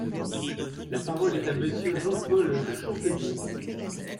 La parole est à Monsieur Jean-Paul Chanteguet.